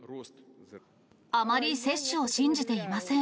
あまり接種を信じていません。